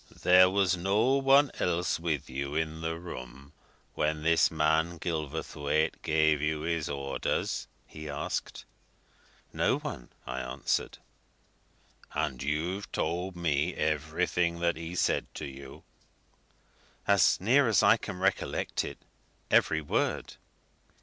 "There was no one else with you in the room when this man Gilverthwaite gave you his orders?" he asked. "No one," I answered. "And you've told me everything that he said to you?" "As near as I can recollect it, every word."